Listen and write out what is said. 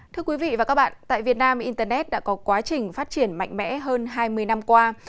thưa quý vị và các bạn tại việt nam internet đã có quá trình phát triển mạnh mẽ hơn hai mươi năm qua